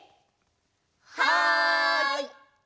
はい！